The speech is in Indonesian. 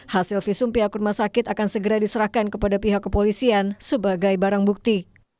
hasil visum pihak rumah sakit akan segera diserahkan kepada pihak kepolisian sebagai barang bukti